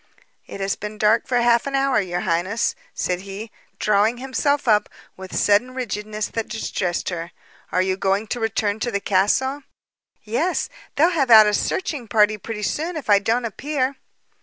"It has been dark for half an hour, your highness," said he, drawing himself up with sudden rigidness that distressed her. "Are you going to return to the castle?" "Yes. They'll have out a searching party pretty soon if I don't appear."